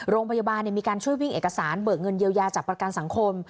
โรงพยาบาลมีการช่วยวิ่งเอกสารเบิกเงินเยียวยาจากประกันสังคม